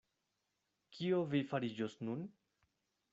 Kio vi fariĝos nun?